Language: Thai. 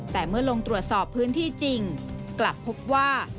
แต่เมื่อลงตรวจสอบพื้นที่จริงกลับพบว่า